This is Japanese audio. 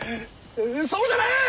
そうじゃねえ！